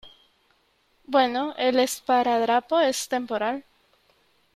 bueno , el esparadrapo es temporal ;